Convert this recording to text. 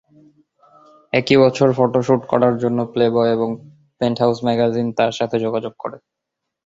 একই বছর, photo shoot করার জন্য "প্লেবয়" এবং "পেন্টহাউস ম্যাগাজিন" তাঁর সাথে যোগাযোগ করে।